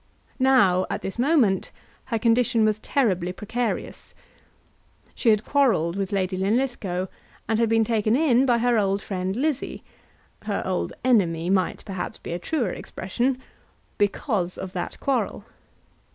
Now, at this moment, her condition was terribly precarious. She had quarrelled with Lady Linlithgow, and had been taken in by her old friend Lizzie, her old enemy might, perhaps, be a truer expression, because of that quarrel.